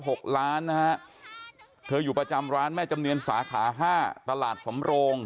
หกล้านนะฮะเธออยู่ประจำร้านแม่จำเนียนสาขาห้าตลาดสำโรง